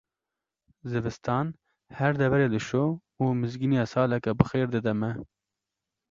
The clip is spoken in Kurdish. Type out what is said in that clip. Zivistan her deverê dişo û mizgîniya saleke bixêr dide me.